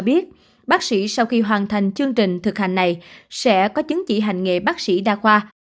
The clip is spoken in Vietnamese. biết bác sĩ sau khi hoàn thành chương trình thực hành này sẽ có chứng chỉ hành nghề bác sĩ đa khoa